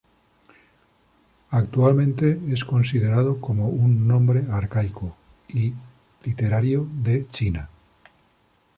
Actualmente es considerado como un nombre arcaico y literario de China.